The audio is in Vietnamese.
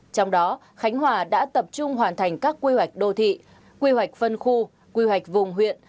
trong đó khánh hòa đã tập trung hoàn thành các quy hoạch đô thị quy hoạch phân khu quy hoạch vùng huyện